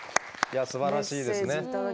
すばらしいですね。